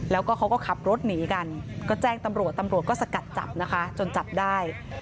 แล้วก็เขาก็ขับรถหนีกันก็แจ้งตำรวจตำรวจก็สกัดจับนะคะจนจับได้